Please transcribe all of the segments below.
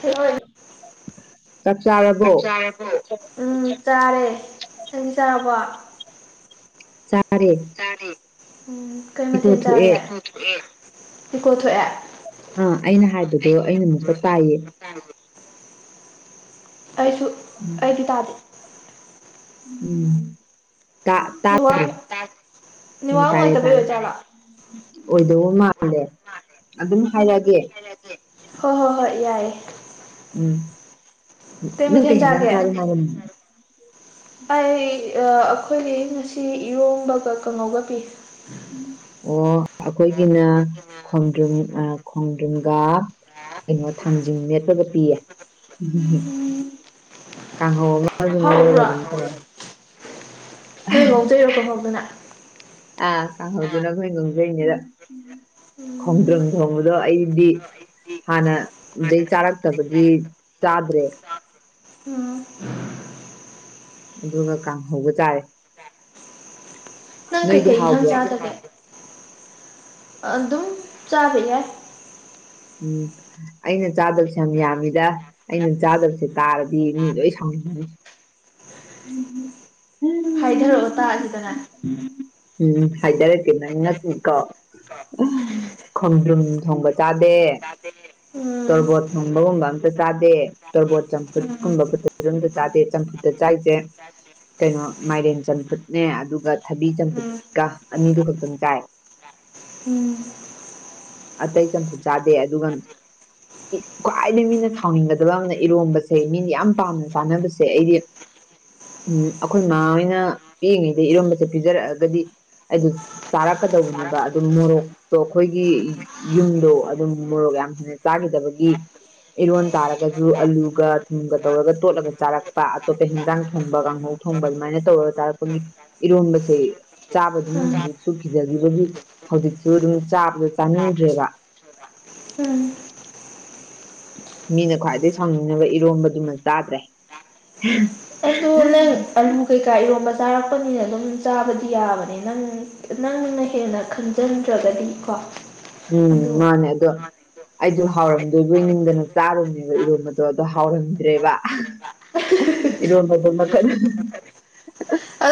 ꯍ ꯆꯥꯛ ꯆꯥꯔꯕꯣ ꯀꯆꯥꯔ ꯎꯝ ꯆꯥꯔꯦ ꯆꯍꯤ ꯆꯥꯔꯕ ꯆꯔꯦ ꯎꯝ ꯀꯩ ꯃꯊꯦꯜ ꯆꯥꯒꯦ ꯊꯣꯛꯑꯦ ꯍꯀꯣ ꯊꯣꯛꯑꯦ ꯑꯥ ꯑꯩꯅ ꯍꯥꯏꯕꯗꯣ ꯑꯩꯅ ꯑꯃꯨꯛꯀ ꯇꯥꯏꯌꯦ ꯑꯩꯁꯨ ꯑꯩꯗꯤ ꯇꯥꯗꯦ ꯎꯝ ꯇꯥ ꯅꯦꯠꯋꯥꯛ ꯇꯥꯗ꯭ꯔꯦ ꯅꯦꯠꯋꯥꯛ ꯎꯝ ꯇꯥꯔꯦ ꯅꯨꯡꯉꯥꯏꯇꯕꯩ ꯇꯥꯔꯦ ꯑꯣꯏꯖꯥꯠꯂꯣ ꯑꯣꯏꯗꯧꯕ ꯃꯥꯜꯂꯦ ꯑꯗꯨꯝ ꯍꯥꯏꯔꯛꯑꯒꯦ [unintelligible] ꯍꯣꯏ ꯍꯣꯏ ꯍꯣꯏ ꯌꯥꯏꯑꯦ ꯎꯝ ꯀꯩ ꯅꯠꯇ ꯃꯊꯦꯜ ꯆꯥꯒꯦ ꯌꯥꯝꯪ ꯀꯥ ꯑꯩ ꯑꯩꯈꯣꯏꯒꯤ ꯉꯁꯤ ꯏꯔꯣꯡꯕꯒ ꯀꯩꯅꯣꯒ ꯄꯤ ꯑꯣ ꯑꯩꯈꯣꯏꯒꯤꯅ ꯈꯣꯡꯗ꯭ꯔꯨꯝ ꯈꯣꯡꯗ꯭ꯔꯨꯝꯒ ꯀꯩꯅꯣ ꯊꯥꯡꯖꯤꯡ ꯃꯦꯠꯄꯒ ꯄꯤꯌꯦ ꯎꯝ ꯀꯥꯡꯍꯧ ꯑꯃ ꯑꯗꯨ ꯉꯧꯔꯒ ꯍꯥꯎꯕ꯭ꯔꯣ ꯑꯗꯝꯒꯣ ꯁꯔꯣꯝ ꯍꯕꯅ [inaudible] ꯑꯥ ꯀꯧꯍꯧꯗꯨꯅ ꯑꯩꯈꯣꯢꯅ ꯉꯧꯖꯩꯕ ꯎꯝ ꯈꯣꯡꯗ꯭ꯔꯝ ꯊꯣꯡꯕꯗꯣ ꯑꯩꯗꯤ ꯍꯥꯅ ꯗꯩ ꯆꯥꯔꯛꯇꯕꯒꯤ ꯆꯥꯗ꯭ꯔꯦ ꯎꯝ ꯑꯗꯨꯅ ꯀꯥꯡꯍꯧꯕ ꯆꯥꯔꯦ ꯅꯪ ꯅꯣꯏꯗꯤ ꯀꯩꯀꯩ ꯏꯟꯊꯥꯡ ꯍꯥꯎꯕ꯭ꯔꯣ ꯆꯥꯗꯒꯦ ꯑꯗꯨꯝ ꯆꯥꯕ ꯌꯥꯏ ꯎꯝ ꯑꯩꯅ ꯆꯥꯗꯕꯁꯦ ꯌꯥꯝ ꯌꯥꯝꯃꯤꯗ ꯑꯩꯅ ꯆꯥꯗꯕꯁꯦ ꯇꯥꯔꯗꯤ ꯃꯤ ꯂꯣꯏ ꯁꯥꯎꯃꯤꯟꯅꯔꯦ ꯍꯥꯏꯊꯔꯛꯑꯣ ꯇꯥꯁꯤꯗꯅ ꯎꯝ ꯍꯥꯏꯗꯔꯛꯀꯦ ꯅꯪ ꯉꯛꯅꯤꯀꯣ ꯈꯣꯡꯗ꯭ꯔꯨꯝ ꯊꯣꯡꯕꯥ ꯆꯥꯗꯦ ꯎꯝ ꯇꯣꯔꫭꯕꯣꯠ ꯁꯨ ꯨꯃꯔꫭꯡꯕꯒꯨꯝꯕ ꯑꯝꯇ ꯆꯥꯗꯦ ꯇꯣꯔꯕꯣꯠ ꯆꯝꯐꯨꯠ ꯎꯝ ꯀꯨꯝꯕ ꯑꯝꯇ ꯆꯥꯗꯦ ꯆꯝꯐꯨꯠꯇꯥ ꯆꯥꯏꯁꯦ [unintelligible] ꯀꯩꯅꯣ ꯃꯥꯏꯔꯦꯟ ꯆꯝꯐꯨꯠꯅꯦ ꯑꯗꯨꯒ ꯊꯕꯤ ꯎꯝ ꯆꯝꯐꯨꯠꯀꯥ ꯑꯅꯤꯗꯨ ꯈꯛꯇꯪ ꯆꯥꯏ꯫ ꯎꯝꯝ ꯑꯇꯩ ꯆꯝꯐꯨꯠ ꯆꯥꯗꯦ ꯑꯗꯨꯒ ꯈ꯭ꯋꯥꯏꯗꯒꯤ ꯃꯤꯅ ꯁꯥꯎꯅꯤꯡꯒꯗꯕ ꯑꯃꯅꯥ ꯏꯔꯣꯝꯕꯁꯦ ꯃꯤꯅ ꯌꯥꯝꯅ ꯄꯥꯝꯅ ꯆꯥꯅꯕꯁꯦ ꯑꯩꯗꯤ꯫ ꯎꯝ ꯑꯩꯈꯣꯏ ꯃꯥ ꯍꯣꯏꯅ ꯄꯤꯛꯏꯉꯩꯗ ꯏꯔꯣꯝꯕꯁꯦ ꯄꯤꯖꯔꯛꯑꯒꯗꯤ ꯑꯩꯗꯨ ꯆꯥꯔꯛꯀꯗꯧꯕꯅꯦꯕ ꯑꯗꯨ ꯃꯣꯔꯣꯛꯇꯣ ꯑꯩꯈꯣꯏꯒꯤ ꯌꯨꯝꯗꯣ ꯃꯣꯔꯣꯛ ꯌꯥꯝ ꯍꯦꯟꯅ ꯆꯥꯈꯤꯗꯕꯒꯤ ꯏꯔꯣꯟ ꯇꯥꯔꯒꯁꯨ ꯑꯂꯨꯒ ꯊꯨꯝꯒꯥ ꯇꯧꯔꯒꯥ ꯇꯣꯠꯂꯒ ꯆꯥꯔꯛꯄꯥ ꯑꯇꯣꯞꯄꯥ ꯍꯤꯟꯖꯥꯡ ꯊꯣꯡꯕ ꯀꯥꯡꯍꯧ ꯊꯣꯡꯕ ꯑꯗꯨꯃꯥꯏꯅ ꯇꯧꯔꯒ ꯆꯥꯔꯛꯄꯒꯤ ꯏꯔꯣꯟꯕꯁꯦ ꯆꯥꯕ ꯑꯗꯨꯝ ꯎꯝ ꯍꯧꯖꯤꯛꯁꯨꯅꯤ ꯀꯤꯖꯈꯤꯕꯒꯤ꯫ ꯍꯧꯖꯤꯛꯁꯨ ꯑꯗꯨꯝ ꯆꯥꯕꯗ ꯆꯥꯅꯤꯡꯗ꯭ꯔꯦꯕ ꯎꯝꯝ ꯃꯤꯅ ꯈ꯭ꯋꯥꯏꯗꯒꯤ ꯁꯥꯎꯅꯤꯡꯅꯕ ꯏꯔꯣꯝꯕꯁꯤꯃ ꯆꯥꯗ꯭ꯔꯦ ꯑꯗꯣ ꯅꯪ ꯑꯂꯨ ꯀꯩꯀꯥ ꯏꯔꯣꯟꯕ ꯆꯥꯔꯛꯄꯅꯤꯅ ꯑꯗꯨꯝ ꯆꯥꯕꯗꯤ ꯌꯥꯕꯅꯤ ꯅꯪ ꯅꯪꯅ ꯍꯦꯟꯅꯥ ꯈꯪꯖꯤꯟꯗ꯭ꯔꯒꯗꯤꯀꯣ꯫ ꯎꯝꯝ ꯃꯥꯅꯦ ꯑꯗꯨ ꯑꯩꯗꯣ ꯍꯥꯎꯔꯝꯗꯣꯏꯕꯣꯏ ꯅꯤꯡꯗꯅ ꯆꯥꯔꯨꯕꯅꯤꯕꯥ ꯏꯔꯣꯟꯕꯗꫭ ꯑꯗꯣ ꯍꯥꯎꯔꯝꯗ꯭ꯔꯦꯕ ꯏꯔꫭꯟꯕꯗꫭ ꯃꯈꯟ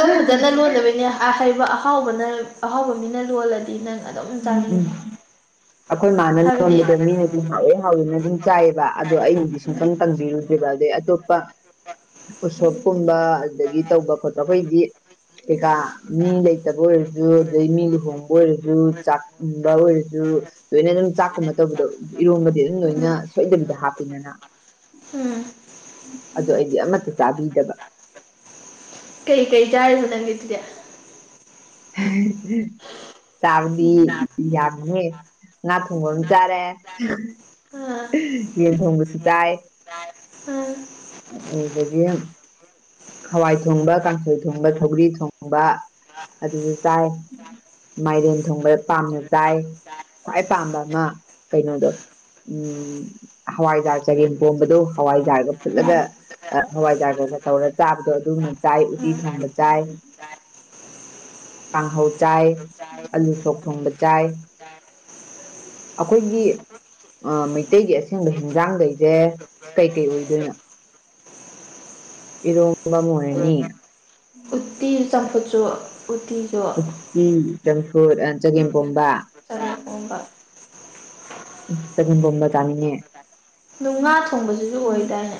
ꯑꯗꯨ ꯐꯖꯅ ꯂꯣꯜꯂꯕꯩꯅꯦ ꯑꯥ ꯑꯍꯥꯎꯕꯅ ꯑꯍꯥꯎꯕꯥ ꯃꯤꯅ ꯂꯣꯜꯂꯗꯤ ꯅꯪ ꯑꯗꯨꯝ ꯎꯝ ꯆꯥꯅꯤꯡꯉꯤ ꯑꯩꯈꯣꯏ ꯃꯥꯥꯅ ꯍꯥꯏꯕꯗꯤ ꯂꯣꯟꯕꯗꯣ ꯃꯤꯅ ꯑꯗꯨꯝ ꯍꯥꯎꯑꯦ ꯍꯥꯎꯋꯤꯅ ꯑꯗꯨꯝ ꯆꯥꯏꯑꯦꯕ ꯑꯗꯣ ꯑꯩꯅꯗꯤ ꯁꯨꯡꯇꯪ ꯎꯝ ꯇꯟꯕꯤꯔꯨꯗꯔꯦꯕ ꯑꯗꯩ ꯑꯇꯣꯞꯄ ꯎꯁꯣꯞꯀꯨꯝꯕ ꯑꯗꯒꯤ ꯇꯧꯕ ꯈꯣꯠꯄ ꯑꯩꯈꯣꯏꯗꯤ ꯀꯩꯀꯥ ꯃꯤ ꯂꯩꯇꯕꯥ ꯑꯣꯏꯔꯁꯨ ꯑꯗꯩ ꯃꯤ ꯂꯨꯍꯣꯡꯕꯥ ꯑꯣꯏꯔꯁꯨ꯫ ꯆꯥꯛ ꯏꯟꯕꯥ ꯑꯣꯏꯔꯁꯨ ꯂꯣꯏꯅ ꯑꯗꯨꯝ ꯆꯥꯛꯀꯨꯝꯕꯥ ꯇꯧꯕꯗꯣ ꯏꯔꯣꯟꯕꯗꯤ ꯑꯗꯨꯝ ꯂꯣꯏꯅ ꯁꯣꯏꯗꯕꯤꯗ ꯍꯥꯞꯄꯤꯗꯅꯥ ꯎꯝ ꯑꯗꯨ ꯑꯩꯗꯤ ꯑꯃꯠꯇ ꯆꯥꯕꯤꯗꯕ ꯀꯩ ꯀꯩ ꯌꯥꯥꯔꯤꯕ ꯅꯪꯒꯤꯗꯨꯗꯤ [inaudible] ꯆꯥꯕꯗꯤ ꯌꯥꯝꯃꯤꯍ° ꯉꯥ ꯊꯣꯡꯕ ꯑꯃ ꯆꯥꯔꯦ ꯑꯥ ꯌꯦꯟ ꯊꯣꯡꯕꯁꯨ ꯆꯥꯏ ꯑꯥ ꯑꯗꯥꯒꯤ ꯍꯋꯥꯏ ꯊꯣꯡꯕ ꯀꯥꯡꯁꯣꯏ ꯊꯣꯡꯕ ꯁꯧꯒ꯭ꯔꯤ ꯊꯣꯡꯕ ꯑꯗꯨꯁꯨ ꯆꯥꯏ ꯃꯥꯏꯔꯦꯟ ꯊꯣꯡꯕꯥ ꯄꯥꯝꯅ ꯆꯥꯏ ꯈ꯭ꯋꯥꯏ ꯄꯥꯝꯕꯥ ꯑꯃ ꯀꯩꯅꯣꯗꯣ ꯎꯝ ꯍꯋꯥꯏꯖꯥꯔ ꯆꯒꯦꯝꯄꯣꯝꯕꯗꯨ ꯍꯋꯥꯏꯖꯥꯔꯒꯥ ꯐꯨꯠꯂꯒ ꯍꯋꯥꯏꯖꯥꯔꯒ ꯇꯧꯔ ꯆꯥꯕꯗꯣ ꯑꯗꯨꯅ ꯆꯥꯏ ꯎꯇꯤ ꯊꯣꯡꯕ ꯆꯥꯏ ꯆꯥꯏ ꯀꯥꯡꯍꯧ ꯆꯥꯏ ꯑꯂꯨ ꯁꯣꯛ ꯊꯣꯡꯕꯁꯨ ꯆꯥꯏ ꯑꯩꯈꯣꯏꯒꯤ꯫ ꯃꯩꯇꯩꯒꯤ ꯑꯁꯦꯡꯕꯥ ꯍꯤꯟꯖꯥꯡꯒꯩꯁꯦ ꯀꯩꯀꯩ ꯑꯣꯏꯗꯣꯏꯅꯣ? ꯏꯔꯣꯡꯕ ꯃꯅꯤ ꯎꯇꯤ ꯆꯝꯐꯨꯠ ꯎꯇꯤꯁꯨ꯫ ꯎꯇꯤ ꯆꯝꯐꯨꯠ ꯆꯒꯦꯝꯒꯣꯝꯕ ꯇꯔꯄꯨꯝꯕ [inaudible] ꯆꯥꯒ°ꯝ ꯄꫭꯝꯕꯥ ꯆꯥꯅꯤꯡꯉ° ꯑꯗꯣ ꯉꯥ ꯊꯣꯡꯕꯁꯤꯁꯨ ꯑꯣꯏꯗꯥꯢꯅꯦ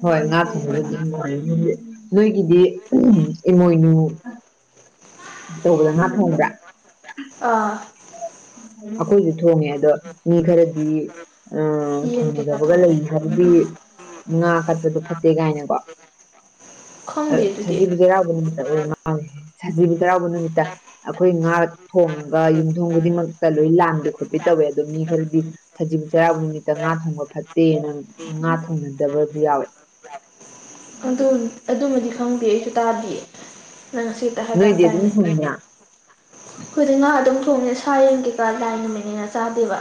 ꯍꯣꯏ ꯉꯥ ꯊꯣꯡꯕꯥ ꯑꯗꯨꯝ ꯔꫭꯏꯔꯅꯤ [inaudible] ꯅꯣꯏꯒꯤꯗꯤ ꯏꯃꯣꯏꯅꯨ ꯇꯧꯕꯗ ꯉꯥ ꯊꯣꯡꯕ꯭ꯔꯥ ꯑ ꯑꯥ ꯑꯩꯈꯣꯏꯁꯨ ꯊꯣꯡꯉꯦ ꯑꯗ ꯃꯤ ꯈꯔꯗꯤ ꯎ ꯌꯦꯟ ꯀꯩꯀꯥ ꯊꯨꯡꯅꯖꯕꯒ ꯊꯣꯡꯅꯩ ꯂꯩꯈꯔꯕꯗꯤ ꯉꯥ ꯀꯠꯄꯗꯣ ꯐꯠꯇꯦ ꯀꯥꯏꯅꯀꯣ ꯈꯪꯗꯦ ꯑꯗꯨꯗꯤ ꯁꯖꯤꯕꯨꯁꯔꯥꯕ ꯁꯖꯤꯕꯨ ꯆꯩꯔꯥꯎꯕ ꯅꯨꯃꯤꯠꯇ ꯑꯩꯈꯣꯏ ꯉꯥ ꯊꯣꯉ ꯌꯨꯝꯊ ꯈꯨꯗꯤꯡꯃꯛꯇ ꯂꯣꯏ ꯂꯥꯟꯥꯟꯕ ꯈꯣꯠꯄ ꯇꯧꯋꯦ ꯑꯗꯣ ꯃꯤ ꯈꯔꯗꯤ ꯁꯖꯤꯕꯨ ꯆꯩꯔꯥꯎꯕ ꯅꯨꯃꯤꯠꯇ ꯉꯥ ꯊꯣꯡꯕ ꯐꯠꯇꯦꯅ ꯉꯥ ꯊꯣꯡꯅꯗꯕꯁꯨ ꯌꯥꯎꯋꯦ ꯑꯗꯨ ꯑꯗꯨꯃꯗꯤ ꯈꯪꯗꯦ ꯑꯩꯁꯨ ꯇꯥꯗꯦ ꯅꯪ ꯉꯁꯤ ꯅꯣꯏꯗꯤ ꯑꯗꯨꯝ ꯍꯤꯡꯕ꯭ꯔ ꯑꯩꯈꯣꯏꯗꯤ ꯉꯍꯥ ꯑꯗꯨꯝ ꯊꯣꯡꯉꯦ ꯁꯥ ꯌꯦꯡꯒꯦꯀꯥ ꯌꯥꯝ ꯍ°ꯟꯅꯥ ꯆꯥꯗꯦꯕ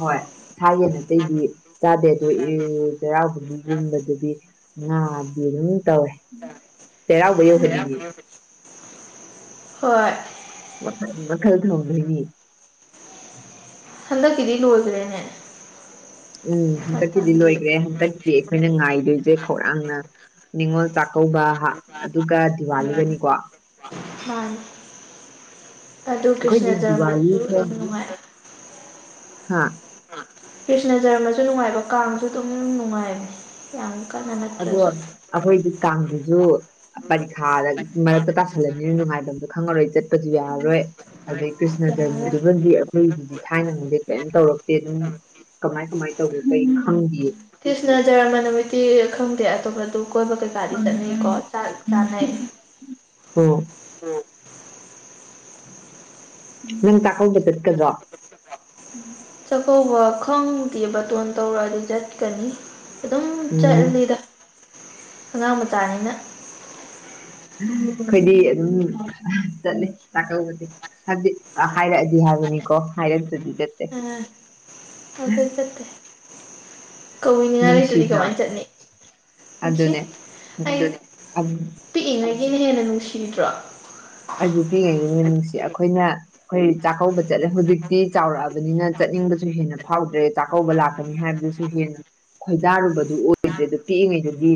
ꯍꯣꯏ ꯁꯥ ꯌ°ꯟ ꯑꯇꯩꯗꯤ ꯆꯥꯗꯦ ꯑꯗꯣ ꯆꯩꯔꯥꯎꯕꯒꯤ ꯌꯟꯕꯗꯨꯗꯤ ꯉꯥꯗꯤ ꯑꯗꯨꯝ ꯇꯧꯋꯦ ꯆꯩꯔꯥꯎꯕ ꯌꯧꯍꯟꯅꯤꯡꯉꯤ ꯍꯣꯏ ꯃꯈꯜ ꯃꯈꯜ ꯊꯣꯡꯗꫭꯅꯤ ꯍꯟꯗꯛꯀꯤꯗꯤ ꯂꯣꯖꯔꯦꯅꯦ ꯑꯝ ꯍꯟꯇꯛꯀꯤꯗꯤ ꯂꯣꯏꯈ꯭ꯔꯦ ꯍꯟꯇꯛꯀꯤ ꯑꯩꯈꯣꯏꯅ ꯉꯥꯏꯗꯣꯏꯁꯦ ꯈꯧꯔꯥꯡꯅꯥ ꯅꯤꯉꯣꯜ ꯆꯥꯛꯀꯧꯕꯥ ꯍꯥ ꯑꯗꯨꯒꯥ ꯎꯝ ꯗꯤꯋꯥꯂꯤꯒꯅꯤꯀꯣ꯫ ꯃꯥꯅꯤ ꯑꯗꯨ ꯑꯩꯈꯣꯏꯗꯤ ꯀ꯭ꯔꯤꯁꯅꯖꯃꯁꯨ ꯗꯤꯋꯥꯂꯤꯁꯦ ꯌꯥꯝ ꯅꯨꯡꯉꯥꯏ ꯍꯥ ꯀ꯭ꯔꯤꯁꯅꯖꯔꯃꯁꯨ ꯅꯨꯡꯉꯥꯏꯕ ꯀꯥꯡꯁꯨ ꯑꯗꯨꯝ ꯅꯨꯡꯉꯥꯏꯕꯅꯦ ꯌꯥꯝ ꯀꯟꯅ ꯅꯠꯇ꯭ꯔꯁꯨ ꯑꯩꯈꯣꯏꯒꯤ ꯀꯥꯡꯁꯤꯁꯨ ꯄꯔꯤꯈꯥꯗ ꯃꯔꯛꯇ ꯇꯥꯁꯜꯂꯃꯤꯅ ꯅꯨꯡꯉꯥꯏꯐꯝꯁꯨ ꯈꯪꯉꯔꯣꯏ ꯆꯠꯄꯁꯨ ꯌꯥꯔꯔꯣꯏ ꯑꯗꯨꯗꯗꯒꯤ ꯌꯥꯔ ꯀ꯭ꯁꯅꯖꯟꯃꯗꯨ ꯃꯗꯤꯤ ꯑꯩꯣꯏꯒꯤꯗꯤ ꯊꯥꯏꯅꯅꯤꯡꯗꯦ ꯀꯔꯤꯝ ꯇꯧꯔꯛꯇꯦ ꯑꯗꯨꯝ ꯀꯃꯥꯏ ꯀꯃꯥꯏꯅ ꯇꯧꯒ ꯀꯩ ꯈꯪꯗꯦ ꯀ꯭ꯔꯤꯁꯥ ꯖꯔꯃ ꯅꯨꯃꯤꯠꯗꯤ ꯈꯪꯗꯦ ꯑꯇꯣꯞꯄ ꯑꯗꯨ ꯀꯣꯏꯕ ꯀꯩꯀꯥꯗꯤ ꯆꯠꯅꯩꯀꯣ ꯆꯥꯛ ꯆꯥꯅꯩ ꯍ ꯎꯝ ꯅꯪ ꯆꯥꯛꯀꯧꯕꯥ ꯆꯠꯀꯗ꯭ꯔꯣ? ꯆꯥꯛꯀꯧꯕ ꯈꯪꯗꯦ ꯕꯇꯣꯟ ꯇꯧꯔꯛꯑ ꯑꯗꯨ ꯆꯠꯀꯅꯤ ꯑꯗꯨꯝ ꯎꯝ ꯆꯠꯂꯂꯤꯗ ꯑꯉꯥꯡ ꯃꯆꯥꯅꯤꯅ ꯑꯩꯈꯣꯏꯗꯤ ꯑꯗꯨꯝ ꯆꯠꯂꯤ ꯆꯥꯛꯀꯧꯕꯁꯤ ꯍꯥꯏꯕꯗꯤ ꯍꯥꯏꯔꯛꯑꯗꯤ ꯍꯥꯏꯕꯅꯤꯀꯣ ꯍꯥꯏꯔꯗꯨꯗꯤ ꯆꯠꯇꯦ ꯑꯗꯨꯈꯗ ꯀꯧꯏꯅꯤꯡꯉꯥꯏ ꯂꯩꯇꯗꯤ ꯅꯨꯡꯁꯤꯗ꯭ꯔꯥ ꯀꯃꯥꯏꯅ ꯆꯠꯅꯤ [unintelligible] ꯅꯨꯡꯁꯤ ꯑꯗꯨꯅꯦ ꯑꯩ ꯄꯤꯛꯏꯉꯩꯒꯤꯅ ꯍꯦꯟꯅ ꯅꯨꯡꯁꯤꯗ꯭ꯔꯣ ꯑꯗꯨ ꯄꯤꯛꯏꯉꯩꯒꯤꯅ ꯅꯨꯡꯁꯤ ꯑꯩꯈꯣꯏꯅ ꯑꯩꯈꯣꯏ ꯆꯥꯛꯀꯧꯕ ꯆꯠꯂꯦ ꯍꯧꯖꯤꯛꯇꯤ ꯆꯥꯎꯔꯛꯑꯕꯅꯤꯅꯥ ꯆꯠꯅꯤꯡꯕꯁꯨ ꯍꯦꯟꯅꯥ ꯐꯥꯎꯗ꯭ꯔꯦ꯫ ꯆꯥꯛꯀꯧꯕ ꯂꯥꯛꯀꯅꯤ ꯍꯥꯏꯕꯗꯨꯁꯨ ꯍꯦꯟꯅ ꯈꯣꯏꯗꯥꯔꯨꯕꯗꯨ ꯑꯣꯏꯗ꯭ꯔꯦ ꯑꯗꯨꯗ ꯄꯤꯛꯏꯉꯩꯗꯨꯗꯤ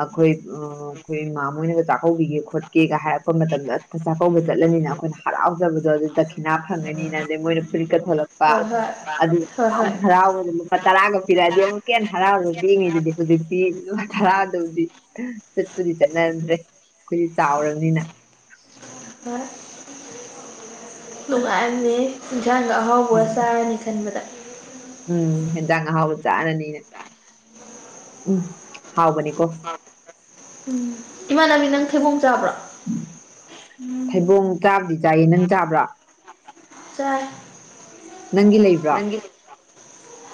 ꯑꯩꯈꯣꯏ ꯎ ꯑꯩꯈꯣꯏ ꯏꯃ ꯃꯣꯏꯅꯒ ꯆꯥꯛꯀꯧꯕꯤꯒꯦ ꯈꯣꯠꯀꯦꯒ ꯍꯥꯏꯔꯛꯄ ꯃꯇꯝꯗ ꯆꯥꯛꯀ ꯆꯠꯂꯅꯤꯅ ꯑꯩꯈꯣꯏꯅ ꯍꯔꯥꯎꯖꯕꯗꯣ ꯑꯗꯨꯗꯩ ꯗꯈꯤꯅꯥ ꯐꯪꯉꯅꯤꯅ ꯑꯗꯩ ꯃꯣꯏꯅ ꯐꯨꯔꯤꯀꯠ ꯊꯣꯛꯂꯛꯄ ꯍꯣꯏ ꯍꯣꯏ ꯑꯗꯨ ꯍꯣꯏ ꯌꯥꯝ ꯍꯣꯏ ꯍꯔꯥꯎ ꯂꯨꯄꯥ ꯇꯔꯥꯒ ꯄꯤꯔꯛꯑꯗꯤ ꯑꯃꯨꯛ ꯀꯦꯟꯅ ꯍꯔꯥꯎꯕꯒ ꯄꯤꯉꯤꯗꯨꯗꯤ ꯍꯧꯖꯤꯛꯇꯤ ꯂꯨꯄꯥ ꯊꯔꯥꯗꯧꯗꯤ ꯆꯠꯄꯨꯗꯤ ꯆꯠꯅꯗ꯭ꯔꯦ ꯑꯩꯈꯣꯏꯗꯤ ꯆꯥꯎꯔꯕꯥꯅꯤꯅ ꯅꯨꯡꯉꯥꯏꯔꯝꯅꯤ ꯍꯦ ꯏꯟꯁꯥꯡꯒ ꯑꯍꯥꯎꯕꯒꯥ ꯆꯥꯔꯅꯤ ꯈꯟꯕꯗ ꯎꯝ ꯍꯦꯟꯖꯥꯡ ꯑꯍꯥꯎꯕ ꯆꯥꯔꯅꯤꯅ ꯎꯝ ꯍꯥꯎꯕꯅꯤꯀꯣ ꯎꯝ ꯏꯃꯥꯟꯅꯕꯤ ꯅꯪ ꯊꯩꯕꯣꯡ ꯆꯥꯕ꯭ꯔꯣ ꯐꯩꯕꯣꯡ ꯆꯥꯕꯗꯤ ꯆꯥꯏꯌꯦ ꯅꯪ ꯆꯥꯕ꯭ꯔꯥ ꯆꯥꯏ ꯅꯪꯒꯤ ꯂꯩꯕ ꯅꯪꯒꯤ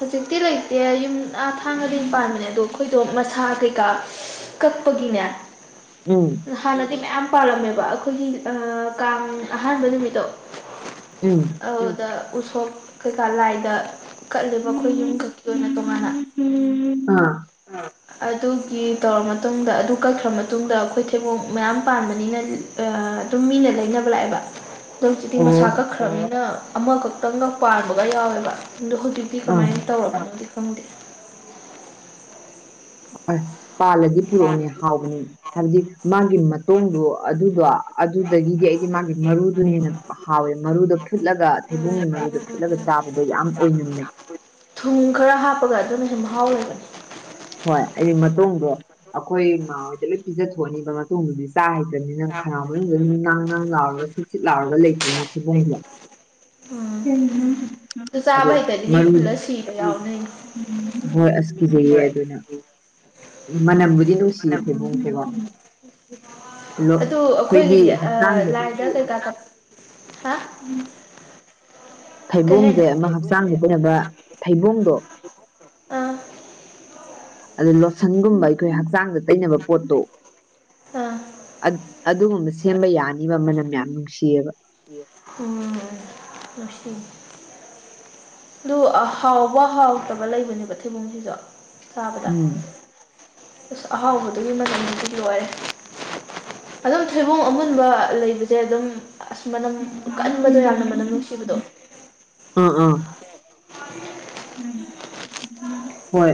ꯍꯧꯖꯤꯛꯇꯤ ꯂꯩꯇꯦ ꯌꯨꯝ ꯑꯥ ꯊꯥꯡꯉꯗꯤ ꯄꯥꯟꯕꯅꯦ ꯎꯝ ꯑꯗꯣ ꯑꯩꯈꯣꯏꯗꯣ ꯃꯁꯥ ꯀꯩꯀꯥ ꯀꯛꯄꯒꯤꯅꯦ ꯎ ꯍꯥꯟꯅꯗꯤ ꯃꯌꯥꯝ ꯄꯥꯜꯂꯝꯃꯦꯕ ꯑꯩꯈꯣꯏꯒꯤ ꯀꯥꯡ ꯑꯍꯥꯟꯕ ꯅꯨꯃꯤꯠꯇꯣ ꯎꯝ ꯑꯗꯨꯗ ꯎꯁꯣꯞ ꯀꯩꯀꯥ ꯂꯥꯏꯗ ꯀꯠꯂꯦꯕ ꯑꯩꯈꯣꯏ ꯌꯨꯝꯈꯛꯀꯤ ꯑꯣꯏꯅ ꯇꯣꯉꯥꯟꯅ ꯎꯝ ꯑ ꯎ ꯑꯗꯨꯒꯤ ꯇꯧꯔ ꯃꯇꯨꯡꯗ ꯑꯗꯨ ꯀꯛꯈ꯭ꯔ ꯃꯇꯨꯡꯗ ꯑꯩꯈꯣꯏ ꯊꯦꯕꯣꯛ ꯃꯌꯥꯝ ꯄꯥꯟꯕꯅꯤꯅ ꯑꯗꯨꯝ ꯃꯤꯅ ꯂꯩꯅꯕ ꯂꯥꯛꯑꯦꯕ ꯅꯪ ꯆꯤꯛꯇꯤ ꯑꯣ ꯃꯁꯥ ꯀꯛꯈ꯭ꯔꯕꯅꯤꯅ ꯑꯃꯈꯛꯇꯪꯒ ꯄꯥꯟꯕꯒ ꯌꯥꯎꯋꯦꯕ ꯑꯣ ꯍꯧꯖꯤꯛꯇꯤ ꯗꯤ ꯑꯥ ꯀꯃꯥꯏꯅ ꯇꯧꯔꯕꯅꯣꯗꯤ ꯈꯪꯗꯦ ꯑꯣꯏ ꯄꯥꯜꯂꯗꯤ ꯄꯨꯔꯛꯑꯣꯅꯦ ꯍꯥꯎꯕꯅꯤ ꯍꯥꯏꯕꯗꯤ ꯃꯥꯒꯤ ꯃꯇꯣꯡꯗꯣ ꯑꯗꯨꯗꯣ ꯑꯗꯨꯗꯒꯤꯗꯤ ꯑꯩꯒꯤ ꯃꯥꯒꯤ ꯃꯔꯨꯗꯨꯅꯦꯅ ꯍꯥꯎꯋꯦ ꯃꯔꯨꯗ ꯐꯨꯠꯂꯒ ꯎꯝ ꯊꯩꯕꯨꯡꯒꯤ ꯎꯝ ꯃꯔꯨꯗ ꯐꯨꯠꯂꯒ ꯎꯝ ꯎꯝ ꯆꯥꯕꯗꯣ ꯌꯥꯝ ꯑꯣꯏꯅꯝꯃꯦ ꯊꯨꯝ ꯈꯔ ꯍꯥꯞꯄꯒ ꯑꯗꯨꯅ ꯁꯨꯝ ꯃꯍꯥꯎ ꯂꯩꯕꯅꯦ ꯍꯣꯏ ꯑꯩꯗꯤ ꯃꯇꯨꯡꯗꯣ ꯑꯩꯈꯣꯏ ꯃꯥ ꯍꯣꯏꯗ ꯂꯣꯏ ꯄꯤꯖꯊꯣꯛꯑꯅꯤꯕ ꯃꯇꯨꯡꯗꯨꯗꯤ ꯆꯥ ꯍꯩꯇ꯭ꯔꯅꯤ ꯅꯪ ꯈꯔꯥꯎ ꯃꯅꯨꯡꯗꯗꯨ ꯅꯪ ꯅꯪ ꯂꯥꯎꯔꯒ ꯁꯤꯠ ꯂꯥꯎꯔꯒ ꯂꯩꯇ꯭ꯔꯦ ꯅ ꯊꯤꯕꯣꯡꯗꯨ [unintelligible] ꯎꯝ ꯑꯗꯨ ꯑꯗꯣ ꯆꯥꯕ ꯍꯩꯇꯗꯤ ꯃꯤ ꯃꯔꯔꯨ ꯐꯨꯜꯂ ꯁꯤꯕ ꯌꯥꯎꯅꯩ ꯍꯣꯏ ꯑꯁꯀꯤꯖꯌꯦ ꯃꯅꯝꯕꯨꯗꯤ ꯅꯨꯡꯁꯤꯌꯦ ꯊꯦꯕꯣꯡ ꯁꯦꯀꯣ ꯎ ꯑꯣ ꯑꯩꯈꯣꯏꯒꯤ ꯍꯛꯆꯥꯡꯗ ꯇ ꯀ ꯍꯥ ꯀꯩ ꯊꯩꯕꯣꯡꯁꯦ ꯍꯥꯏꯅꯣ ꯑꯃ ꯍꯛꯆꯥꯡ ꯐꯅꯕ ꯊꯩꯕꯣꯡꯗꯣ ꯑꯥ ꯑꯗ ꯂꯣꯠꯁꯟꯒꯨꯝꯕ ꯑꯩꯈꯣꯏ ꯍꯛꯆꯥꯡꯗ ꯇꯩꯅꯕ ꯄꯣꯠꯇꯣ ꯑꯥ ꯑꯗꯨꯒꯨꯝꯕ ꯁꯦꯝꯕ ꯌꯥꯅꯤꯕ ꯑꯃꯅꯝ ꯃꯌꯥꯝ ꯅꯨꯡꯁꯤꯌꯦꯕ ꯎꯝ ꯑꯁꯤ ꯑꯗꯨ ꯍꯥꯎꯕ ꯍꯥꯎꯇꯕ ꯂꯩꯕꯅꯦꯕ ꯊꯩꯕꯨꯡꯁꯤꯁꯨ ꯁꯥꯕꯗ ꯎꯝ ꯑꯁ ꯑꯍꯥꯎꯕꯗꯨꯒꯤ ꯃꯇꯝꯗꯨꯗꯤ ꯂꯣꯏꯔꯦ ꯑꯗꯨꯝ ꯊꯩꯕꯣꯡ ꯑꯃꯨꯟꯕ ꯂꯩꯕꯁꯦ ꯑꯗꯨꯝ ꯑꯁ ꯃꯅꯝ ꯀꯟꯕꯗꯣ ꯌꯥꯝꯅ ꯃꯅꯝ ꯅꯨꯡꯁꯤꯕꯗꯣ ꯑꯥ ꯑꯥ ꯍꯣꯏ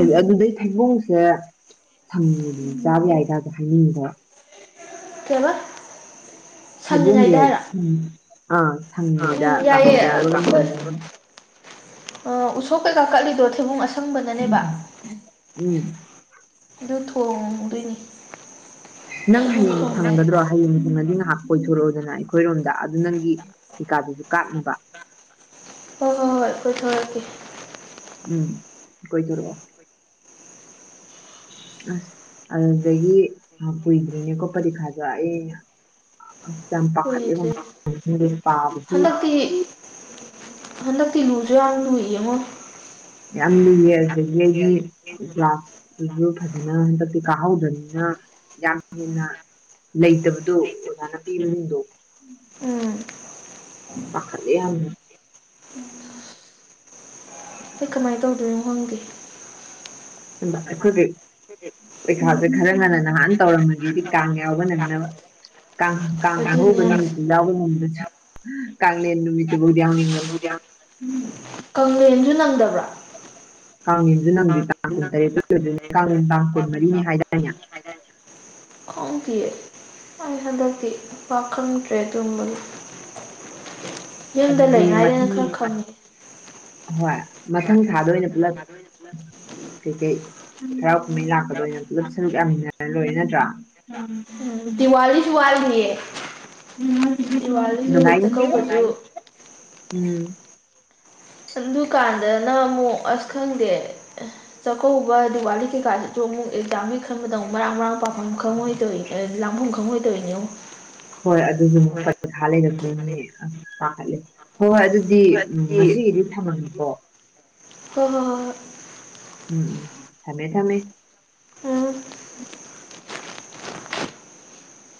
ꯎꯝ ꯑꯗꯨꯗꯩ ꯊꯩꯕꯣꯡꯁꯦ ꯁꯪ ꯑꯗꯨ ꯆꯥꯕ ꯌꯥꯏꯗꯁꯨ ꯍꯥꯏꯅꯤꯡꯉꯤꯀꯣ ꯀꯃ ꯐꯩꯕꯣꯁꯦ ꯁ ꯑ ꯁꯪꯉꯤꯉꯩꯗ ꯀꯥꯡꯉꯧ ꯉꯧꯔꯒ ꯃ ꯎꯁꯣ ꯀ ꯀꯀꯥ ꯂꯤꯗꯣ ꯊꯦꯕꯨꯡ ꯑꯁ ꯎꯝ ꯎꯝ ꯑꯗꯨ ꯊꯣꯡꯗꯣꯏꯅꯤ ꯅꯪ ꯊꯩꯕꯣꯡ ꯍꯌꯦꯡ ꯊꯣꯡꯕꯩ ꯁꯪꯒꯗ꯭ꯔꯣ ꯍꯌꯦꯡ ꯑꯒꯤ ꯉꯥꯏꯍꯥꯛ ꯀꯣꯏꯊꯣꯔꯛꯑꯣꯗꯅ ꯑꯩꯈꯣꯏꯔꯣꯝꯗ ꯑꯗꯨ ꯅꯪꯒꯤ ꯀꯩꯀꯥꯗꯨꯁꯨ ꯀꯥꯞꯂꯤꯕ ꯍꯣꯏ ꯍꯣꯏ ꯍꯣꯏ ꯑꯩꯣꯏ ꯊꯔꯛꯀꯦ ꯎꯝ ꯀꯊꯔꯣ ꯑꯁ ꯑꯗꯨꯗꯒꯤ ꯀꯨꯏꯗ꯭ꯔꯤꯅꯦꯀꯣ ꯄꯔꯤꯈꯥꯗ ꯑꯩꯅ ꯑꯁ ꯌꯥꯝ ꯄꯥꯈꯠꯂꯦ ꯄꯥꯕꯁꯨ ꯑ ꯂꯨꯖ ꯂꯨꯏꯌꯦꯃꯣ ꯌꯥꯝꯁꯒꯤ ꯀ꯭ꯂꯥꯁ ꯑꯗꯨꯁꯨ ꯐꯖꯅ ꯍꯟꯗꯛꯇꯤ ꯀꯥꯍꯧꯗ꯭ꯔꯕꯅꯤꯅ ꯌꯥꯝ ꯍꯦꯟꯅ ꯂꯩꯇꯕꯗꯣ ꯑꯣꯖꯥꯅ ꯄꯤꯔꯁꯤꯡꯗꯣ ꯎꯝ ꯃꯈꯈꯜꯂꯤ ꯑꯩ ꯀꯃꯥꯏꯅ ꯇꯧꯗꯣꯏꯅꯣ ꯈꯪꯗꯦ ꯍꯈꯒ ꯊꯦ ꯄꯩꯈꯥꯥꯁꯦ ꯈꯔ ꯉꯟꯅ ꯅꯍꯥꯟ ꯇꯧꯔꯝꯃꯒꯦꯗꯤ ꯀꯥꯡ ꯌꯥꯎꯕ ꯅꯪꯅꯕ ꯀꯥꯡ ꯀꯥꯡ ꯑꯍꯧꯕ ꯑꯗꯨꯅꯦ ꯅꯨꯃꯤꯠꯇꯨ ꯌꯥꯎꯕ ꯅꯨꯃꯤꯠꯇꯁꯨ ꯀꯥꯡꯂꯤꯌꯥ ꯌꯦꯅꯃꯤꯠꯇꯕꯨꯗꯤꯅꯤꯅ ꯀꯦꯟꯁꯨ ꯅꯪꯗꯕ꯭ꯔꯥ ꯀꯥꯡꯉꯦꯟꯁꯨ ꯅꯪꯗꯤ ꯇꯥꯡ ꯀꯨꯟ ꯇꯔꯦꯠꯇ ꯑꯣꯏꯗꯣꯏꯅꯦ ꯀꯥꯡꯉꯦꯟ ꯇꯥꯡ ꯀꯨꯟ ꯃꯔꯤꯅꯤ ꯍꯥꯏꯇꯥꯔꯅꯦ ꯑꯥꯎ ꯀ ꯑ ꯍꯗꯗꯤ ꯄ ꯈꯪꯗ꯭ꯔꯦ ꯑꯗꯨꯒꯨꯝꯕꯒꯤ ꯌꯨꯝꯗ ꯑꯗꯨꯗꯤ ꯂꯩꯉꯥꯏꯗꯅ ꯃꯊꯪ ꯈꯔ ꯈꯪꯉꯦ ꯍꯣꯏ ꯃꯊꯪ ꯊꯥꯗ ꯑꯣꯏꯅ ꯄꯨꯂꯞ ꯊꯗ ꯆ ꯀꯩꯀꯩ ꯍꯔꯥꯎ ꯀꯨꯝꯍꯩ ꯂꯥꯛꯄꯗ ꯑꯣꯏꯅ ꯄꯨꯂꯞ ꯁꯔꯨꯛ ꯌꯥꯃꯤꯟꯅꯔ ꯂꯣꯏꯔꯦ ꯅꯠꯇ꯭ꯔꯥ ꯎꯝ ꯗꯤꯋꯥꯂꯤꯁꯨ ꯋꯥꯜꯅꯤꯌꯦ ꯎꯝ ꯆꯥꯛꯀꯧꯕꯁꯨ ꯎꯝ ꯗꯨꯀꯥꯟꯗꯅ ꯑꯃꯨꯛ ꯑꯁ ꯈꯪꯗꯦ ꯆꯥꯛꯀꯧꯕ ꯗꯤꯋꯥꯂꯤ ꯀꯩꯀꯥꯁꯨ ꯑꯃꯨꯛ ꯑꯦꯛꯖꯥꯝꯃꯤ ꯈꯟꯕꯗ ꯑꯃꯨꯛ ꯃꯔꯥꯡ ꯃꯔꯥꯡ ꯄꯥꯐꯝ ꯈꯪꯍꯣꯏꯗꯣꯛꯏ ꯂꯥꯡꯐꯝ ꯈꯪꯍꯣꯏꯗꯣꯏꯅꯤꯣ ꯍꯣꯏ ꯑꯗꯨꯁꯨ ꯑꯃꯨꯛ ꯄꯟꯊꯥ ꯂꯩꯔꯝꯄꯅꯤ ꯄꯥꯈꯠꯂꯦ ꯍꯣꯏ ꯍꯣꯏ ꯑꯗꯨꯗꯤ ꯎꯝ ꯉꯁꯤꯒꯤꯗꯤ ꯊꯝꯃꯀꯣ ꯍꯣꯏ ꯍꯣꯏ ꯍꯣꯏ ꯍꯣꯏ ꯎꯝ ꯎꯝ ꯊꯝꯃꯦ ꯊꯝꯃꯦ ꯎꯝ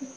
ꯎꯝ